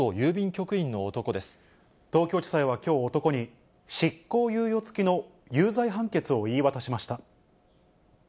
局員の東京地裁はきょう、男に、執行猶予付きの有罪判決を言い渡しました。